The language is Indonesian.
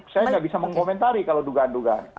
jadi saya tidak bisa mengkomentari kalau dugaan dugaan